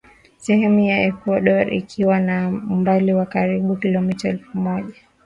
sehemu ya Ekuador ikiwa na umbali wa karibu kilomita elfu moja